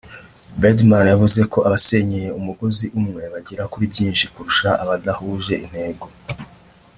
Birdman yavuze ko abasenyeye umugozi umwe bagera kuri byinshi kurusha abadahuje intego